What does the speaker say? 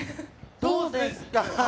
どうですか？